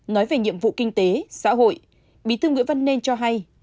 nói về nhiệm vụ kinh tế xã hội bí thư nguyễn văn nên cho hay